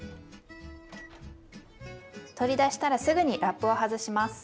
取り出したらすぐにラップを外します。